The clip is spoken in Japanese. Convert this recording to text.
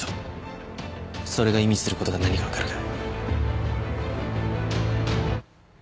それが意味することが何か分かるか？